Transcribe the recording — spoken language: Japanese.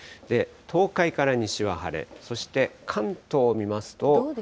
東海から西は晴れ、そして関東を見ますと。